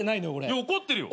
いや怒ってるよ。